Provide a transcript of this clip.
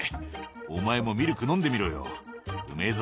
お前もミルク飲んでみろようめぇぞ」